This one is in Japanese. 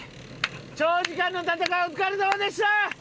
長時間の闘いお疲れさまでした！